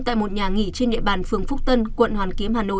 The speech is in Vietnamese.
tại một nhà nghỉ trên địa bàn phường phúc tân quận hoàn kiếm hà nội